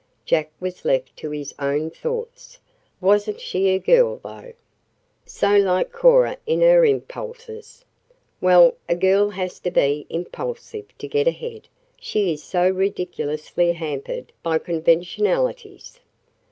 Jack was left to his own thoughts. Wasn't she a girl, though? So like Cora in her impulses. Well, a girl has to be impulsive to get ahead she is so ridiculously hampered by conventionalities.